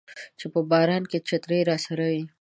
چې په باران کې چترۍ راسره وي